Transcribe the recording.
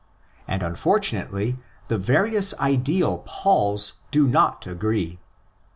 And unfortunately the various ideal Pauls do not agree.